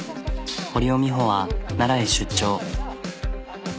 堀尾美穂は奈良へ出張。